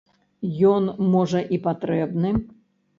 Ён, можа, і патрэбны.